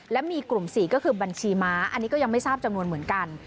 และมีกลุ่ม๔ก็คือบัญชีม้าอันนี้ก็ยังไม่ทราบจำนวนเหมือนกัน